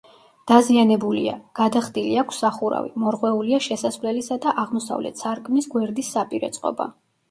დაზიანებულია: გადახდილი აქვს სახურავი, მორღვეულია შესასვლელისა და აღმოსავლეთ სარკმლის გვერდის საპირე წყობა.